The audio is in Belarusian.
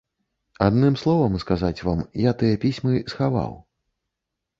Адным словам, сказаць вам, я тыя пісьмы схаваў.